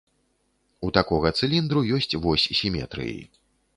У такога цыліндру ёсць вось сіметрыі.